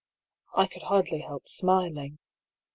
I could hardly help smiling.